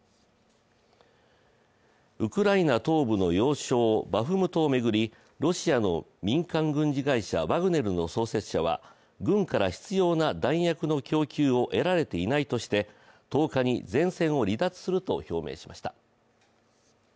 ウクライナ東部の要衝バフムトを巡り、ロシアの民間軍事会社ワグネルの創設者は軍から必要な弾薬の供給をえられていないいとして１０日に前線を離脱すると表明しました。